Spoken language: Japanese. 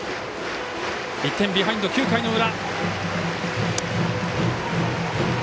１点ビハインド、９回の裏。